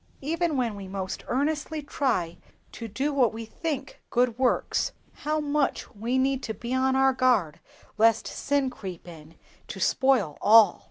Even when we most earnestly try to do what we think good works, how much we need to be on our guard lest sin creep in to spoil all!